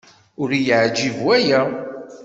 Ur iyi-yeɛjib waya.